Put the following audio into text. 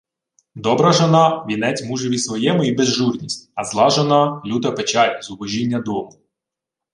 Добра жона – вінець мужеві своєму і безжурність, а зла жона – люта печаль, зубожіння дому.